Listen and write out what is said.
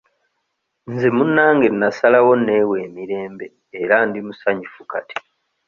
Nze munnange nnasalawo neewe emirembe era ndi musanyufu kati.